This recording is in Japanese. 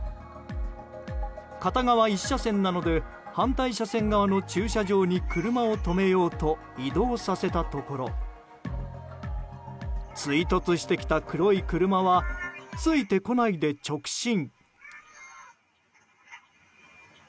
片側１車線なので反対車線側の駐車場に車を止めようと移動させたところ追突してきた黒い車はついてこないで直進。